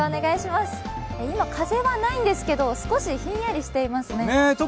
今、風はないんですけど少しひんやりしていますね。